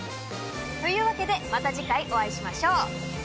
というわけでまた次回お会いしましょう。